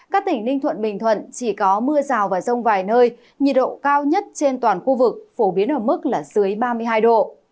các tỉnh ninh thuận bình thuận chỉ có mưa rào và rông vài nơi nhiệt độ cao nhất trên toàn khu vực phổ biến ở mức là dưới ba mươi hai độ